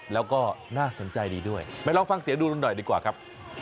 แล้วก็น่าสนใจดีด้วยไปลองฟังเสียงดูหน่อยดีกว่าครับ